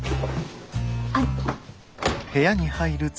あっ。